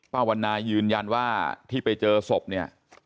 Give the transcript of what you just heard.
วันนายืนยันว่าที่ไปเจอศพเนี่ย